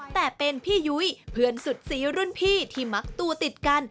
แต่เป็นพี่ยุ้ยเพื่อนสุดสีรุ่นพี่ที่มักตัวติดกัน